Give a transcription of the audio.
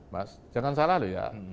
mas jangan salah loh ya